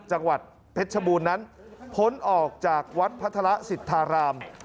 จังหวัดเพชรชบูรณ์นั้นพ้นออกจากวัดพัฒระสิทธาราม